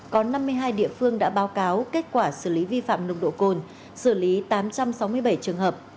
có năm mươi hai địa phương đã báo cáo kết quả xử lý vi phạm nồng độ cồn xử lý tám trăm sáu mươi bảy trường hợp